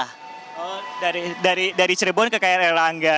oh dari cirebon ke r rangga